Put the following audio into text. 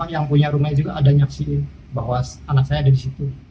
yang punya rumah juga ada nyaksi bahwa anak saya ada di situ